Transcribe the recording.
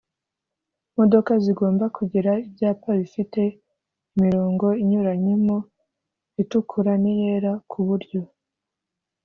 modoka zigomba kugira ibyapa bifite imirongo inyuranyemo itukura n iyera ku buryo